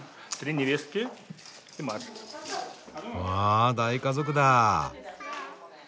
わあ大家族だ。